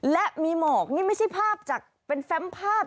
และมีหมอกนี่ไม่ใช่ภาพจากเป็นแฟมภาพ